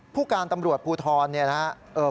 ผู้การตำรวจภูทรเนี่ยนะครับ